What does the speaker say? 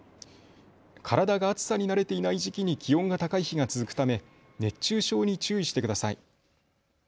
体が暑さに慣れていない時期に気温が高い日が続くため熱中症に注意してください。